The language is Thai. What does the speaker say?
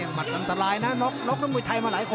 หมัดมันตลายนะลกลกทางมุยไทยมาหลายคน